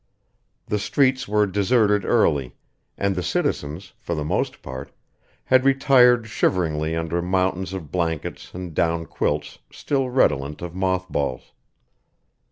The streets were deserted early, and the citizens, for the most part, had retired shiveringly under mountains of blankets and down quilts still redolent of moth balls.